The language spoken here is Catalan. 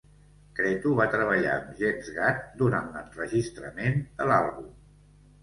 Cretu va treballar amb Jens Gad durant l'enregistrament de l'àlbum.